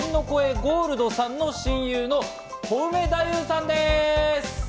ゴールドさんの親友のコウメ太夫さんです！